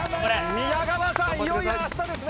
皆川さん、いよいよあしたですね。